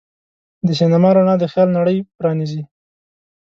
د سینما رڼا د خیال نړۍ پرانیزي.